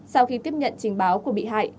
sau khi tiếp nhận trình báo của bị hại